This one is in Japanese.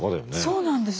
そうなんですよ。